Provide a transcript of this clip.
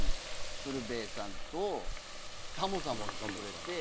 鶴瓶さんとタモさんも来てくれて。